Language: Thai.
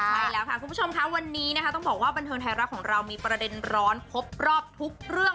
ใช่แล้วค่ะคุณผู้ชมค่ะวันนี้นะคะต้องบอกว่าบันเทิงไทยรัฐของเรามีประเด็นร้อนพบรอบทุกเรื่อง